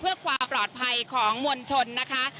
เพื่อความปลอดภัยของมวลชนนะคะ